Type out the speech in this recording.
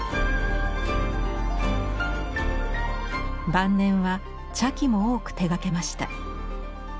晩年は茶器も多く手がけました。